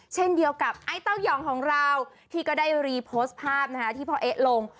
เช่นเดียวกับไอ้เต้ายองของเราที่ก็ได้รีโพสต์ภาพที่พ่อเอ๊ะลง